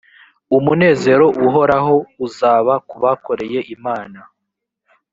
umunezero uhoraho uzaba ku bakoreye imana